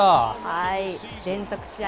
連続試合